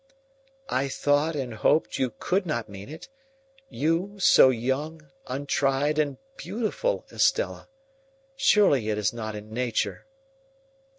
"I thought and hoped you could not mean it. You, so young, untried, and beautiful, Estella! Surely it is not in Nature."